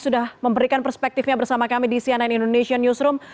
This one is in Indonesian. sudah memberikan perspektifnya bersama kami di cnn indonesian newsroom